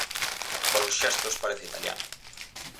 Polos xestos parece italiano.